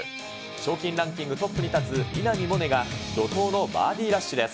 賞金ランキングトップに立つ稲見萌寧が怒とうのバーディーラッシュです。